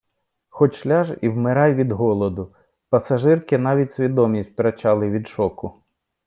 Хоч ляж і вмирай від голоду, пасажирки навіть свідомість втрачали від шоку.